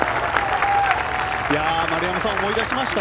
丸山さん、思い出しました。